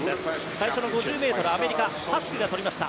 最初の５０ｍアメリカのハスクが取りました。